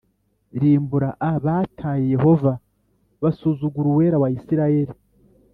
rimbura a Bataye Yehova basuzugura Uwera wa Isirayeli